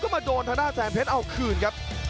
โอ้โหสุดยอดครับ